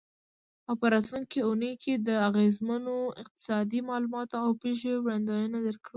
او په راتلونکې اونۍ کې د اغیزمنو اقتصادي معلوماتو او پیښو وړاندوینه درکړو.